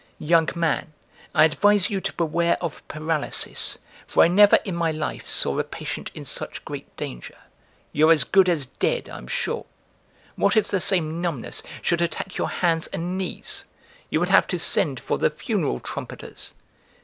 Young man, I advise you to beware of paralysis for I never in my life saw a patient in such great danger; you're as good as dead, I'm sure! What if the same numbness should attack your hands and knees? You would have to send for the funeral trumpeters!